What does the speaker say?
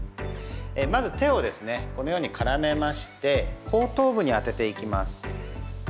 まず、手をこのように絡めまして後頭部に当てていきます。